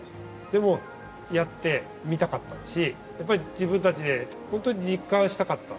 でもやってみたかったしやっぱり自分たちでホントに実感したかった。